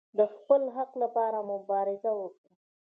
د خپل حق لپاره مبارزه وکړئ